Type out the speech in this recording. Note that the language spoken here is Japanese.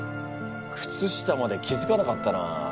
靴下まで気付かなかったな。